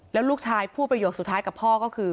แล้วลูกชายพูดประโยคสุดท้ายกับพ่อก็คือ